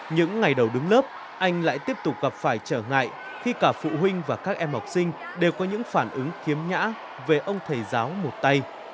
những ngày đầu đứng lớp anh lại tiếp tục gặp phải trở ngại khi cả phụ huynh và các em học sinh đều có những phản ứng khiếm nhã về ông thầy giáo một tay